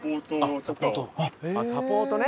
あっサポートね。